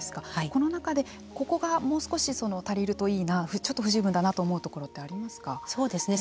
この中でここがもう少し足りるといいなちょっと不十分だなと思うところはありますか。